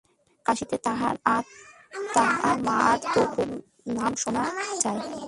কাশীতে তাঁহার আর তাঁর মার তো খুব নাম শোনা যায়।